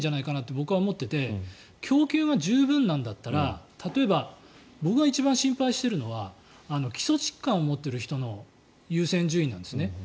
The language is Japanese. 僕は思ってて供給が十分なんだったら、例えば僕が一番心配しているのは基礎疾患を持っている人の優先順位なんですね。